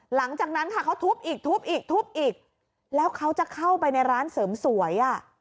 หลังจากนั้นค่ะเขาทุบอีกทุบอีกทุบอีกแล้วเขาจะเข้าไปในร้านเสริมสวยอ่ะ